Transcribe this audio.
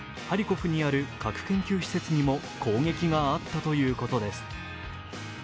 ハリコフにある核研究施設にも攻撃があったということです。